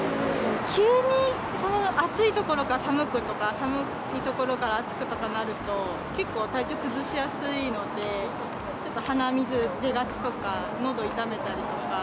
急に暑いところから寒い所とか、寒い所から暑くとかなると、結構体調崩しやすいので、ちょっと鼻水出がちとか、のど痛めたりとか。